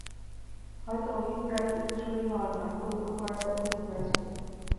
হয়তো অভিপ্রায় উত্তরসূরি হওয়া নয়, গোপন করার অভিপ্রায় ছিল।